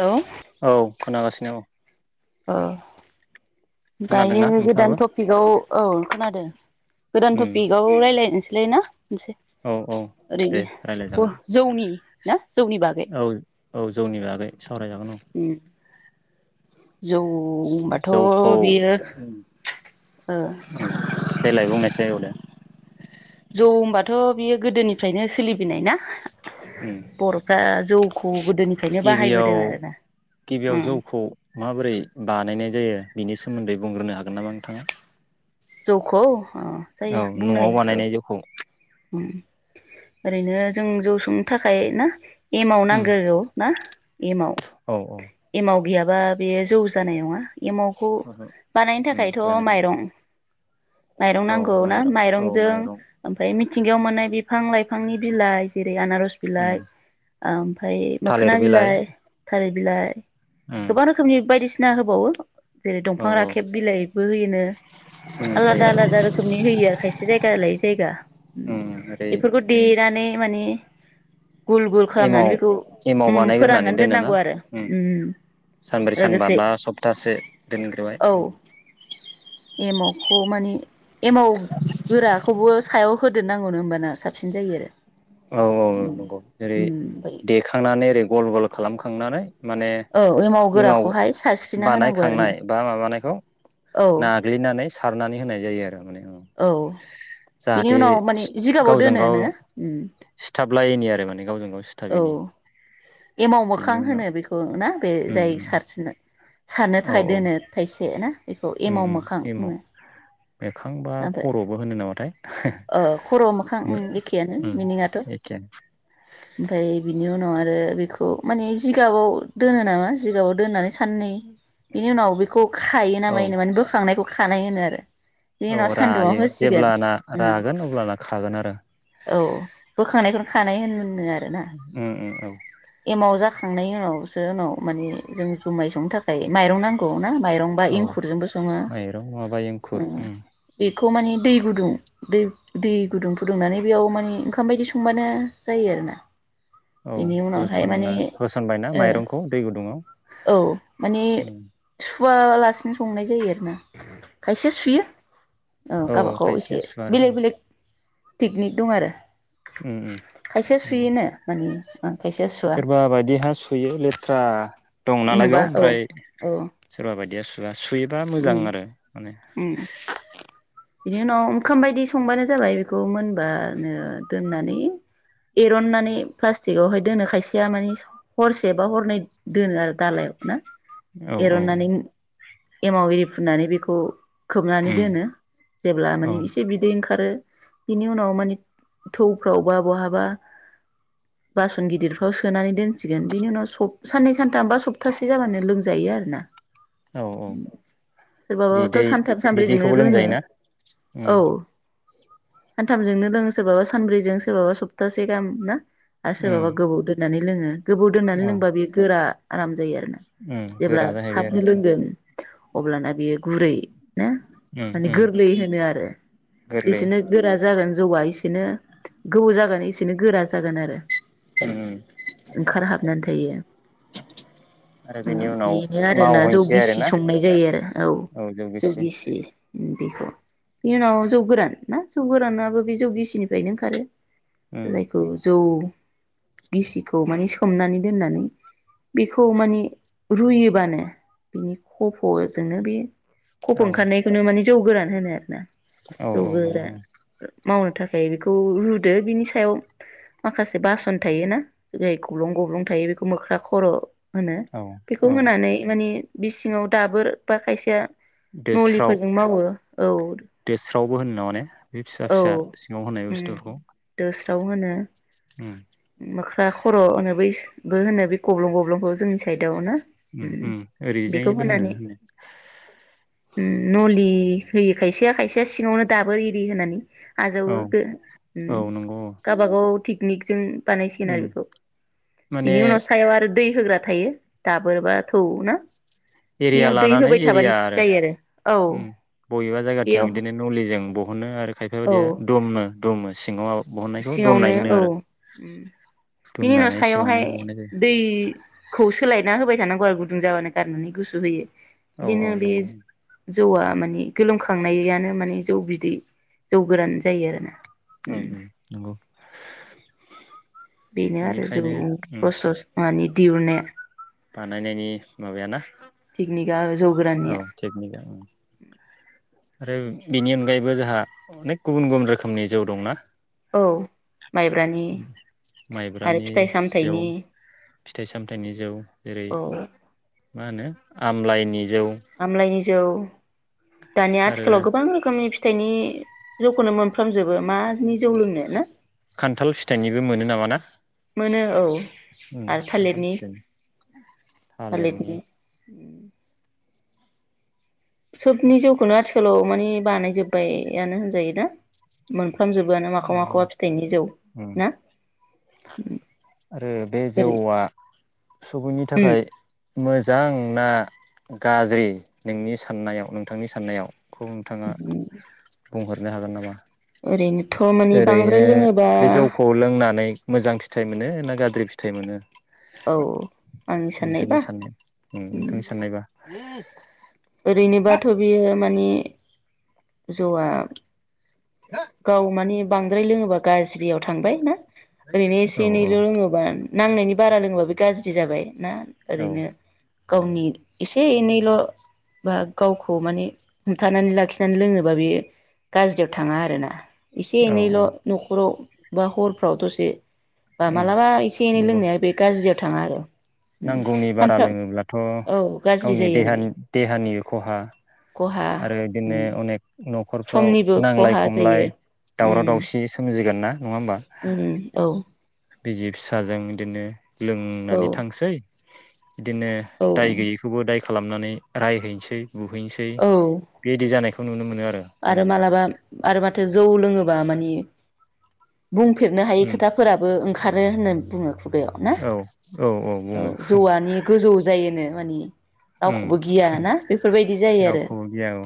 हेल' औ खोनागासिनो औ औ दायो खोनादोंना नोंथाङाबो गोदान टपिकआव औ खोनादों गोदान उम टपिकआव रायज्लायनोसै लैना मोनसे औ औ दे ओरैनो रायज्लायजागोन [unintelligible] जौनि ना जौनि बागै औ औ जौनि बागै सावरायजागोन औ जौखौ जौबाथ' बियो ओ देगलाय बुंनायसाय ओ दे जौ होनबाथ' बियो गोदोनिफ्रायनो सोलिबनाय ना उम बर'फ्रा जौ [inaudible] गिबियाव उम गिबियाव जौखौ माबोरै बानायनाय जायो बिनि सोमोन सोमोन्दै बुंग्रोनो हागोन नामा नोंथाङा जौखौ अ औ न'आव बानायनाय जौखौ ओम ओरैनो जों जौ संनो थाखाय ना एमाव उम नांग्रोगौ ना एमाव औ औ एमाव गैयाबा बे जौ जानाय नङा एमावखौ ओहो बानायनो उम थाखायथ' जानाय नङा माइरं माइरं औ नांगौ ना माइरं औ माइरंजों माइरं ओम मिथिंगायाव मोननाय बिफां लाइफांनि बिलाइ जेरै आनारस उम बिलाइ आमफ्राय मोखोना बिलाइ थालि बिलाय उम गोबां रोखोमनि बायदिसि नो होबावो जेरै औ दंफां औ राखेब बिलाइबो होयोनो उम ओमफ्राय आलादा आलादा रोखोमनि होयो आरो खायसे जायगा लायै जायगा ओम उम ओरै बेफोरखौ देनानै माने गुल गुल खालामनानै बेखौ एमाव एमाव बानायग्रोनानै फोराननानै दोनोना दोननांगौ आरो उम सानब्रै सानबा लोगोसे बा सप्तासे दोनग्रोबाय औ उम एमावखौ माने एमाव गोराखौबो सायाव होदेरनांगौनो ओमबाना साबसिन जायो आरो औ औ औ उम नंगौ जेरै ओमफाय देखांनानै ओरै गल गल खालामखांनानै माने औ एमाव इमाव गोराखौहाय सारस्रिना होनांगौ आरो ना बानायखांनाय बा माबानायखौ औ नाग्लिनानै सारनानै होनाय जायो आरो माने औ औ बिनि जाहाथे उनाव माने जिगाबाव गावजों गाव दोनोनो उम सिथाबलायैनि आरो माने गावजों गाव औ सिथाबैनि एमाव बेनि मोखां उनाव होनो बेखौ ना बे जाय उम सारसिनो सारनो औ थाखाय दोनो थाइसे ना इखौ उम एमाव उम मोखां एमाव मोखां बा बुङो [unintelligible] खर'बो होनो नामाथाय ओ खर' मोखां ओम एखेयानो उम मिनिङाथ' एखेयानो ओमफाय बिनि उनाव आरो बि खौ माने जिगाबाव दोनो नामा जिगाबाव दोननानै साननै बिनि उनाव बेखौ खायो औ नामायोनो माने बोखांनायखौ खानाय होनो औ आरो [unintelligible] रायो होसिगोन जेब्लाना उम रागोन अब्लाना खागोन आरो औ बोखांनायखौनो खानाय होन होनो आरोना उम उम एमाव जाख थांनायनि उनावसो उनाव माने जों जुमाय संनो थाखाय माइरं नांगौ ना माइरंबा औ एंखुरजोंबो सङो माइरं माबा एंखुर उम ओ इखौ माने दै गुदुं दै दै गुदुं फुदुंनानै बेयाव माने ओंखाम बायदि संबानो जायो आरोना। औ बिनि उनावहाय माने होसनना होसनबायना ओ माइरंखौ दै गुदुङाव उम वालासिनो संनाय जायो आरोना खायसे सुयो औ गाबागाव एसे खायसेया सुवा आरो बेलेग बेलेग टेकनिक दं आरो उम उम खायसेया नोंगौ सुयोनो माने खायसेया सुवा सोरबा बायदि हा सुयो लेथ्रा दं नालाय नुबा बेयाव औ ओमफ्राय औ सोरबा बायदिया ए सुवा सुयोबा मोजां उम आरो उम बिनि उनाव ओंखाम बायदि संबानो जाबाय बेखौ मोनबानो दोननानै एरननानै प्लास्टिकआवहाय दोनो खायसेया माने हरसे बा हरनै दोनो आरो दालायाव ना औ औ औ एरननानै एमाव एरि फुननानै बेखौ खोबनानै उम दोनो जेब्ला औ माने इसे बिदै ओंखारो बिनि उनाव मानि थौफ्राव बा बहाबा बासन गिदिरफ्राव सोनानै दोनसिगोन बिनि उनाव स साननै सानथाम बा सप्तासे जाबानो लोंजायो आरोना औ औ बिद थ' सानथाम सानब्रैजोंनो लोङो उम औ सानथामजोंनो लोङो सोरबाबा सानब्रैजों सोरबाबा सप्तासे गाहाम ना आर सोर उम बाबा गोबाव दोन नानै लोङो गोबाव दोननानै औ लोंबा बेयो गोरा आराम जायो आरोना उम जेब्ला गोरा जाहैबाय आरो थाबनो लोंगोन अब्लाना बेयो गुरै ना उम माने उम गोरलै होनो आरो गोरलै जेसेनो गोरा जागोन जौआ एसेनो गोबाव जागोन एसेनो गोरा जागोन आरो उम उम ओंखारहाबनानै थायो आरो उम बेनि उनाव एनो आरोना जौ मावहैनोसै गिसि आरोना संनाय जायो औ जौ गिसि उम बेखौ बेनि उनाव जौ गोरान ना जौ गोरानाबो बे जौ गिसिनिफ्रायनो ओंखारो उम जायखौ जौ गिसिखौ माने सोमनानै दोननानै बेखौ माने रुयोबानो बिनि खफ'जोंनो बे खफ' औ ओंखारनायखौनो माने जौ गोरान होनो आरोना औ जौ औ नंगौ गोरान नंगौ मावनो थाखाय बेखौ रुदो बिनि सायाव माखासे बासन थायोना जाय गब्लं गब्लं थायो बेखौ मोख्रा खर' होनो औ बेखौ औ होनानै माने बि सिङाव दाबोर बा खायसेया दोस्राव नलिफोरजों मावो औ दोस्रावबो होनो नामाने बे फिसा औ फिसा सिङाव होनाय बुस्थुफोरखौ साव होनो उम मोख्रा खर' होनो बैबो होनो बे गब्लं गब्लंखौ जोंनि साइदआव ना उम उम बेखौ ओरैजायबो होनो होननाया ओम नलि होयो खायसेया खायसेया सिङावनो दाबो इरि होनानै औ आजावोबो ओम औ नंगौ औ गावबागाव थिक निकजों बानायसिगोन आरो उम बेखौ माने बिनि उनाव सायाव आरो दै होग्रा थायो दाबोरबा थौ ना नियाव दै होबाय थाबानो जायो आरो औ ओम बबेबा बेयाव जायगाथिं बिदिनो नलिजों जों बहनो आरो खायफा औ बायदिया दमनो दमो सिङाव बहननायखौ दमनाय सिङावनो होनो औ आरो ओम बिनि उनाव दुमनानै सिङावनो सायावहाय बहननाय जायो दैखौ सोलायना होबाय थानांगौ आरो गुदुं जाबानो गारनानै गुसु होयो औ बिदिनो औ बे नंगौ जौआ माने गोलोमखांनायानो माने जौ बिदै जौ गोरान जायो आरो ना नै नै नंगौ बेनो आरो बेनिखायनो जौ उम [unintelligible] नि दिहुननाया बानायनायनि माबायाना थिकनिका जौ औ गोराननिया टेकनिकआ आरो बेनि अनगायैबो जोंहा अनेक गुबुन गुबुन रोखोमनि जौ दंना औ माइब्रानि आरो माइब्रानि फिथाइ जौ सामथाइनि फिथाइ सामथाइनि जौ जेरै औ मा होनो आमलायनि आमलायनि जौ दानिया आरो आथिखालाव गोबां रोखोमनि फि फिथाइनि जौखौनो मोनफ्रामजोबो मानि जौ लोंनो ना खान्थाल फिथाइनिबो मोनो नामा ना मोनो औ ओम आरो खान्थाल थालिरनि फिथाइनि थालिरनि सोबनि जौखौनो आथिखालाव मानि बानायजोब्बायानो होनजायो ना मोन आरो ओम ना आरो बे ओरै जौआ सुबुंनि उम थाखाय मोजां ना गाज्रि नोंनि साननायाव नोंथांनि साननायाव खौ नोंथाङा बुंहरनो हागोन नामा ओरैनो ओरैनो बे जौखौ लोंनानै मोजां फिथाइ मोनो ना गाज्रि [unintelligible] फिथाइ मोनो औ आंनि [inaudible] साननायबा नोंथांनि साननाय ओम नोंथांनि साननायबा [inaudible] [inaudible] ओरैनोबाथ' बियो माने जौआ गाव माने बांद्राय लोङोबा गाज्रि [unintelligible] थांबाय ना ओरैनो एसे औ एनैल' लोङोबा नांनायनि बारा लोंङोबा बे गाज्रि जाबाय ना औ ओरैनो गावनि एसे एनै [unintelligible] बा गावखौ माने हमथानानै लाखिनानै लोङोबा बेयो गाज्रियाव थाङा आरोना एसे औ औ एनैल' न'खराव बा हरफ्राव दसे बा मालाबा एसे एनै नंगौ लोंनाया बे गाज्रियाव थाङा आरो ओम नांगौनि बारा सामफ्राम लोङोब्लाथ' औ गाज्रि गावनि जायो आरो बे देहानि देहानि खहा खहा आरो बिदिनो उम अनेक न न'खरफ्राव समनिबो नांलाय खहा खमलाय जायो दावराव दावसि सोमजि जिगोनना ओम औ बिजि फिसाजों बिदिनो औ लोंनानै थांसै बिदिनो औ दाय गैयैखौबो दाय खालामनानै रायहैनोसै बुहैनोसै औ [unintelligible] आरो मालाबा आरो माथो जौ लोङोबा माने बुंफेरनो हायि उम खोथाफोराबो ओंखार खारो होनना बुङो खुगायाव ना औ औ औ बुङो जौवानि गोजौ जायोनो मानि उम रावखौबो गिया ना बेफोरबायदि जायो आरो रावखौबो गिया औ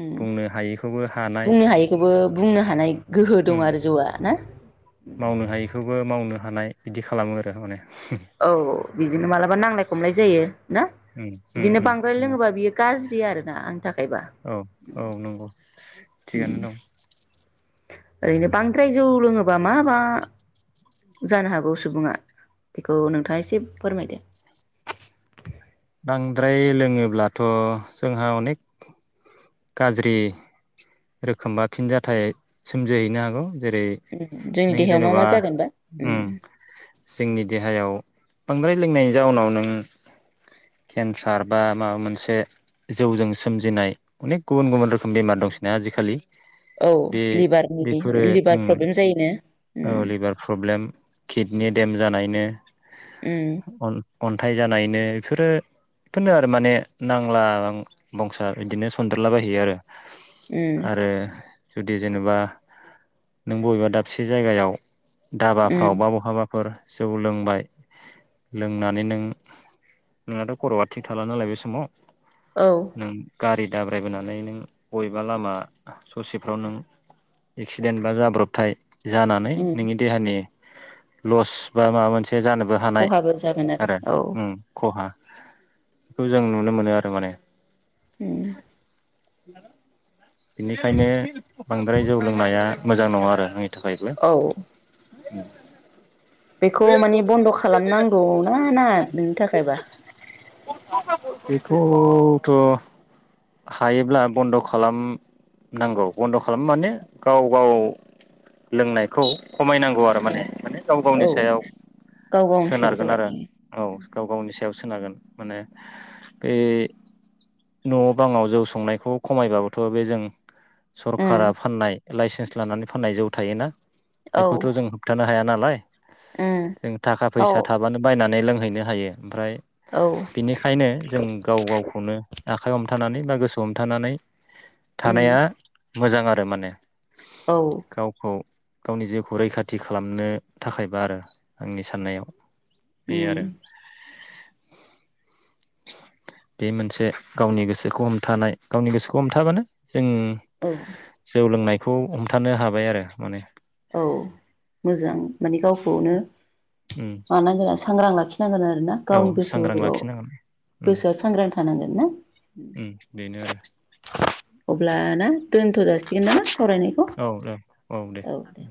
ओम बुंनो हायैखौबो हानाय बुंनो हायैखौबो बुंनो हानाय गोहो दं उम आरो जौआ ना मानाय बिदि खालामो आरो माने औ बिदिनो मालाबा नांलाय खमलाय जायो ना उम उम बिदिनो उम बांद्राय नंगौ लोङोबा बियो गाज्रि आरोना आंनि थाखायबा औ औ नंगौ थिगानो उम दं ओरैनो बांद्राय जौ लोङोबा मा मा जानो हागौ सुबुङा बेखौ नोंथाङा एसे फोरमायदो बांद्राय लोङोब्लाथ' जोंहा अनेख गाज्रि रोखोमबा फिनजथायाइ सोमजिहैनो हागौ जेरै उम जोंनि नों देहायाव मा मा जेन'बा जागोनबा ओम उम जोंनि देहायाव बांद्राय लोंनायनि जाउनाव नों केन्सार बा माबा मोनसे जौजों सोमजिनाय अनेख गुबुन गुबुन रोखोम बेमार दंसैना आजिखालि औ बे लिभारनि बेफोरो लिभार ओम प्रब्लेम जायोनो औ उम लिभार प्रब्लेम किडनि देम जानाय बिनो उम अन-अन अनथाय जानायनो बेफोरोफोरनो आरो माने नांला बंसा बिदिनो खुन्देरलाबायहैयो आरो उम आरो जुदि जेनेबा नों बबेबा दाबसे जायगायाव उम धाबाफ्रावबा बहाबाफोर जौ लोंबाय लोंनानै नों नोंनाथ' खर'आ थिग थाला नालाय बे समाव औ नों गारि दाब्रायबोनानै नों बबेबा लामा ससेफ्राव नों एक्सिडेन्ट बा जाब्रबथाय जानानै उम नोंनि देहानि लस बा माबा मोनसे जानोबो हानाय खहाबो जागोन आरो औ ओम खहा बेखौ जों नुनो मोनो आरो माने ओम [inaudible] बेनिखायनो बांद्राय जौ लोंनाया मोजां नङा आरो आंनि थाखायब्ला औ ओम बेखौ माने बन्द' खालामनांगौ ना नाङा नोंनि थाखायबा बेखौथ' हायोब्ला बन्द' खालाम नांगौ बन्द' खालाम माने गाव गाव लोंनायखौ खमायनांगौ आरो औ माने माने गाव गावनि औ सायाव गाव गावनि सायाव सोनारगोन जाबाय आरो औ गाव गावनि सायाव सोनारगोन माने बे न' बाङाव जौ संनायखौ खमायबाबोथ' बे जों उम सरकारा फाननाय लाइसेन्स लानानै फाननाय जौ थायोना औ बेखौथ' जों होबथानो हाया नालाय उम [inaudible] जों थाखा औ फैसा थाबानो बायनानै लों हैैनो हायो ओमफ्राय औ बिनिखायनो जों गाव गावखौनो आखाइ हमथा नानै बा गोसो हमथानानै उम थानाया मोजां आरो माने औ गावखौ गावनि जिउखौ रैखाथि खालामनो थाखायबा आरो आंनि साननायाव बे उम आरो बे मोनसे गावनि गोसो खौ हमथानाय गावनि गोसोखौ हमथाबानो जों औ जौ लोंनाय खौ हमथानो हाबाय आरो माने औ मोजां माने गावखौनो उम [unintelligible] सांग्रां लाखि नांगोन आरो ना औ गावनि सांग्रां गोसोआव लाखिनांगोन उम गोसोआ सांग्रां थानांगोन ना उम बेनो आरो अब्लाना दोनथ' जासिगोन ना औ दे औ दे औ दे